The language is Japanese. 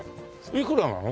いくらなの？